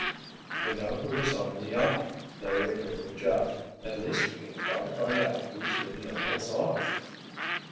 "We know who was on the yacht," Larry agreed with Jeff. "At least we can try to find out who threw the emeralds off."